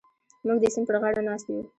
موږ د سیند پر غاړه ناست یو.